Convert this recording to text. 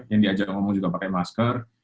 yang diajak ngomong juga pakai masker